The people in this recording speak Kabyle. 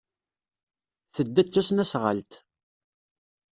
Tedda s tesnasɣalt.